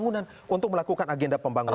untuk melakukan agenda pembangunan